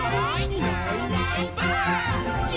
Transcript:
「いないいないばあっ！」